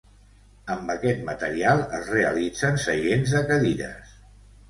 Amb aquest material es realitzen seients de cadires.